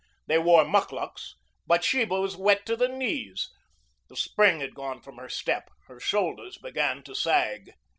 They wore mukluks, but Sheba was wet to the knees. The spring had gone from her step. Her shoulders began to sag.